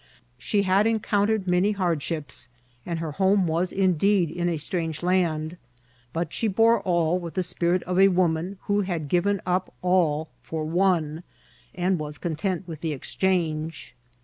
She had en* countered many hardships, and her home was indeed in a strange land ; but she bore all with the spirit of a woman who had given up all for one, and was content with the exchange.